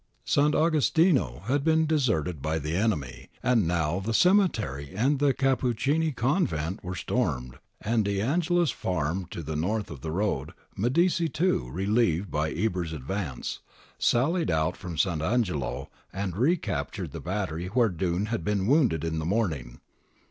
Sant' Agostino had been deserted by the enemy, and now the cemetery and the Cappuccini Convent were stormed, and De Angelis farm to the north of the road. Medici, too, relieved by Eber's advance, sallied out from Sant' Angelo and recaptured the battery where Dunne had been wounded in the morning.